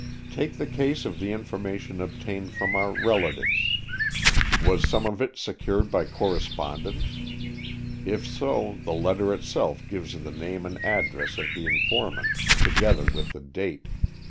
Take the case of the information obtained from our relatives. Was some of it secured by correspondence? If so, the letter itself gives the name and address of the informant, together with the date.